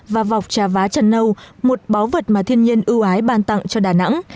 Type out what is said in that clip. và vọc trà vá chân nâu một báu vật mà thiên nhiên ưu ái ban tặng cho đà nẵng